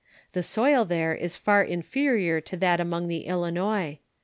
The soil there is far inferior to that among the Ilinois.